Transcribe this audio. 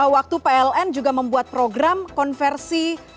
waktu pln juga membuat program konversi